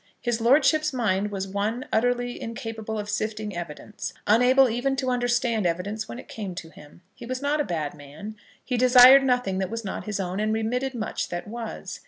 His lordship's mind was one utterly incapable of sifting evidence, unable even to understand evidence when it came to him. He was not a bad man. He desired nothing that was not his own, and remitted much that was.